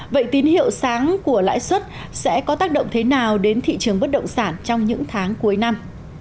vậy tín hiệu sáng của lãi suất sẽ có tác động thế nào đến thị trường bất động sản trong những tháng cuối năm